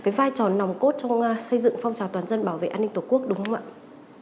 cái vai trò nòng cốt trong xây dựng phong trào toàn dân bảo vệ an ninh tổ quốc đúng không ạ